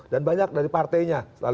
dan banyak dari partainya